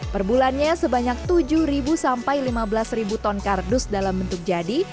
perbulannya sebanyak tujuh sampai lima belas ton kardus dalam bentuk jadi